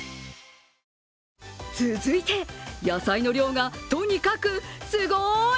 続いて、野菜の量がとにくかすごーい！